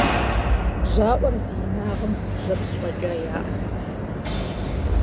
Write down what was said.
БжьаӀуэр зи инагъым зы бжьэпщ фӀэкӀа яӀэтэкъым.